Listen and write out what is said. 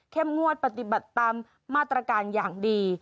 งวดปฏิบัติตามมาตรการอย่างดี